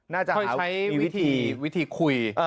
ค่อยใช้วิธีคุย